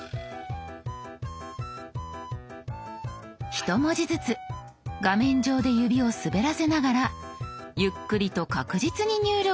１文字ずつ画面上で指を滑らせながらゆっくりと確実に入力。